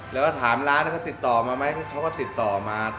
แล้วก็ถามร้านเขาติดต่อมาไหมเขาก็ติดต่อมา